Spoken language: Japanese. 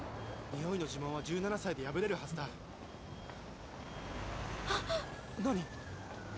においの呪文は１７歳で破れるはずだあっ何？